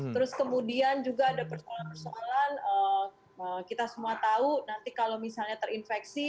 terus kemudian juga ada persoalan persoalan kita semua tahu nanti kalau misalnya terinfeksi